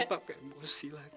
lupa pakai emosi lagi